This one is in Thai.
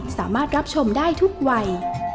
สามารถรับชมได้ทุกวัย